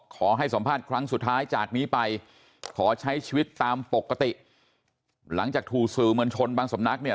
ขอให้สัมภาษณ์ครั้งสุดท้ายจากนี้ไปขอใช้ชีวิตตามปกติ